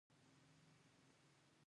زما طلاق او زما پيسې راکه.